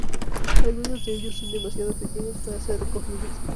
Algunos de ellos son demasiado pequeños para ser recogidos.